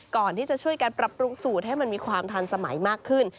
ก่อนที่จะช่วยกันปรับปรุงสูตรให้มันมีความทันสมัยมากขึ้น